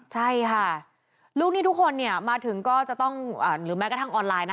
ใช่ค่ะลูกหนี้ทุกคนเนี่ยมาถึงก็จะต้องหรือแม้กระทั่งออนไลน์นะ